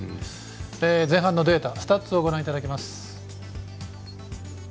前半のデータ、スタッツをご覧いただきます。